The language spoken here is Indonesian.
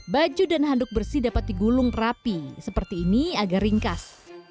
baju dan handuk bersih dapat digulung rapi seperti ini agar ringkas